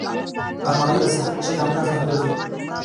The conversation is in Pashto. الماري د سهار د چای جامونو ځای هم ګرځي